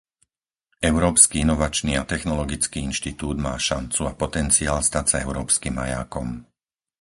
Európsky inovačný a technologický inštitút má šancu a potenciál stať sa európskym majákom.